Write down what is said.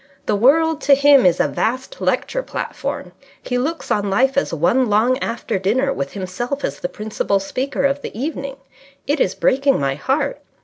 The world to him is a vast lecture platform. He looks on life as one long after dinner, with himself as the principal speaker of the evening. It is breaking my heart.